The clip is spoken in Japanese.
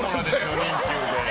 初任給で。